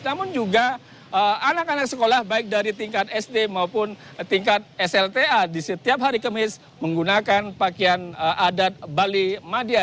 namun juga anak anak sekolah baik dari tingkat sd maupun tingkat slta di setiap hari kemis menggunakan pakaian adat bali madia